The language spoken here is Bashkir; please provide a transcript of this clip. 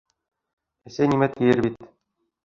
— Әсәй нимә тиер бит...